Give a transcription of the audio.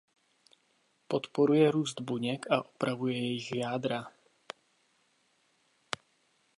Podporuje růst buněk a opravuje jejich jádra.